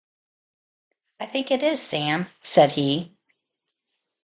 ‘I think it is, Sam,’ said he.